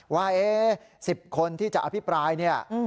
ว่า๑๐คนที่จะอภิปรายเนี่ย